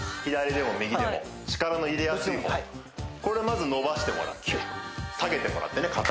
左でも右でも力の入れやすいほうこれをまず伸ばしてもらって下げてもらってね